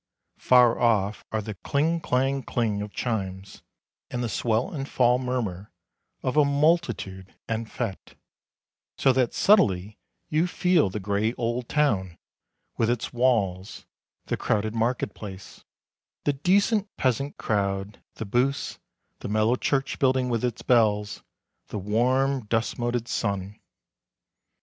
Far off are the cling clang cling of chimes and the swell and fall murmur of a multitude en fête, so that subtly you feel the gray old town, with its walls, the crowded market place, the decent peasant crowd, the booths, the mellow church building with its bells, the warm, dust moted sun.